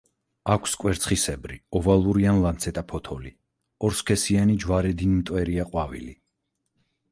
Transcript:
აქვს კვერცხისებრი, ოვალური ან ლანცეტა ფოთოლი, ორსქესიანი, ჯვარედინმტვერია ყვავილი.